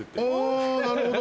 あなるほど。